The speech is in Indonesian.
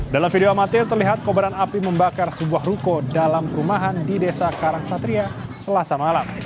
dalam video amatir terlihat kobaran api membakar sebuah ruko dalam perumahan di desa karang satria selasa malam